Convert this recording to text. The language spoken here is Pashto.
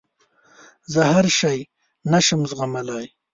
زه هر شی نه شم زغملای.